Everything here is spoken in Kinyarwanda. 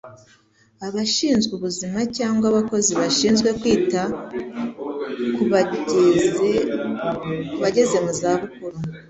abashinzwe ubuzima cyangwa abakozi bashinzwe kwita ku bageze mu za bukuru.